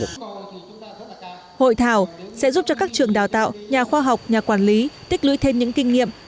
hội thảo sẽ giúp cho các trường đào tạo nhà khoa học nhà quản lý tích lưới thêm những kinh nghiệm